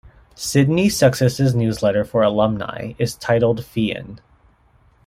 Sidney Sussex's newsletter for alumni is titled "Pheon".